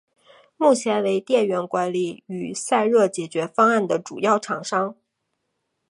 目前为电源管理与散热解决方案的主要厂商。